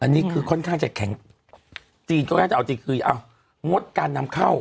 อันนี้คือค่อนข้างจะแข็งจีนก็น่าจะเอาจีนคือเอางดการนำเข้า